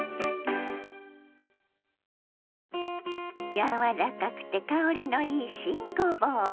柔らかくて香りのいい新ごぼう。